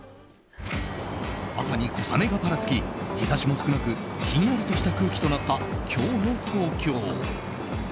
朝に小雨がぱらつき日差しも少なくひんやりとした空気となった今日の東京。